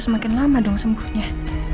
sehari kayak maksudnya